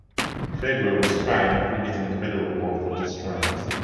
Feguer was tried and convicted in federal court for these crimes.